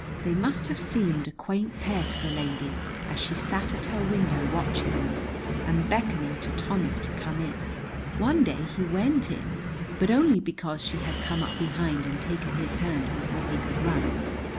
They must have seemed a quaint pair to the lady as she sat at her window watching them and beckoning to Tommy to come in. One day he went in, but only because she had come up behind and taken his hand before he could run.